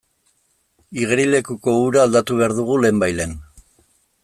Igerilekuko ura aldatu behar dugu lehenbailehen.